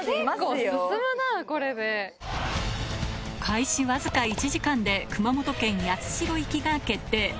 開始わずか１時間で熊本県八代行きが決定